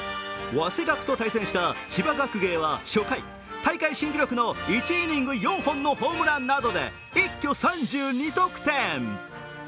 わせがくと対戦した千葉学芸は初回大会新記録の１イニング４本のホームランなどで一挙３２得点。